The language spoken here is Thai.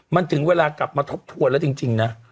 มันถึงเวลากลับมาทบทวนแล้วจริงนะ